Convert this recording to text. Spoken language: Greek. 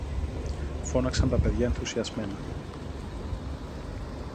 φώναξαν τα παιδιά ενθουσιασμένα.